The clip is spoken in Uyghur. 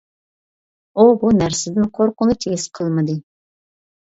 ئۇ بۇ نەرسىدىن قورقۇنچ ھېس قىلمىدى.